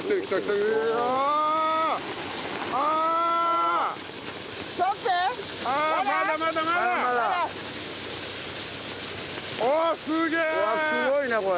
うわすごいなこれ！